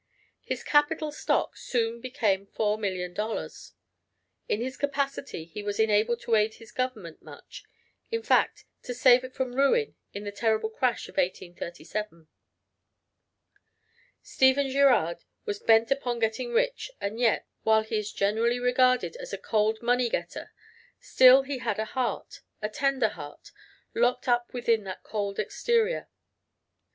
His capital stock soon became $4,000,000. In this capacity he was enabled to aid his Government much, in fact to save it from ruin in the terrible crash of 1837. Stephen Girard was bent upon getting rich and yet, while he is generally regarded as a cold money getter, still he had a heart, a tender heart, locked up within that cold exterior.